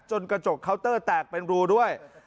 กระจกเคาน์เตอร์แตกเป็นรูด้วย